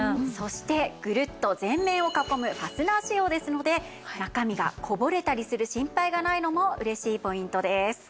そしてグルッと全面を囲むファスナー仕様ですので中身がこぼれたりする心配がないのも嬉しいポイントです。